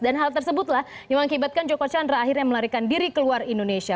dan hal tersebutlah yang mengibatkan joko chandra akhirnya melarikan diri keluar indonesia